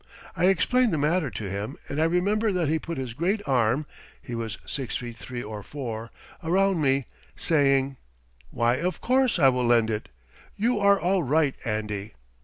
I explained the matter to him, and I remember that he put his great arm (he was six feet three or four) around me, saying: "Why, of course I will lend it. You are all right, Andy."